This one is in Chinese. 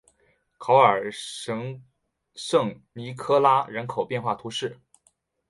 考尔什圣尼科拉人口变化图示